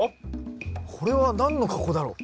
これは何の格好だろう？